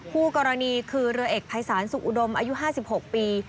คู่กรณีคือเรือเอกภัยศาลสุอุดมอายุ๕๖ปี